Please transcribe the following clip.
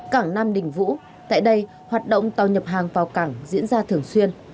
cảng nam đình vũ tại đây hoạt động tàu nhập hàng vào cảng diễn ra thường xuyên